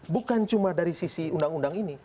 bukan cuma dari sisi undang undang ini